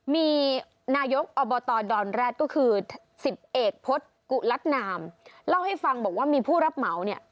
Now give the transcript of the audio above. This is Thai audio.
มีนายกอบตดอนแร็ดก็คือสิบเอกพฤษกุลัดนามเล่าให้ฟังบอกว่ามีผู้รับเหมาเนี่ย